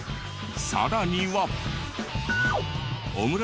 さらには。